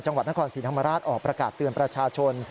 จังหวัดนครศรีธรรมราชออกประกาศเตือนประชาชน